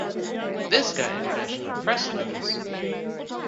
This got international press notice.